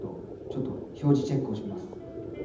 ちょっと表示チェックをします。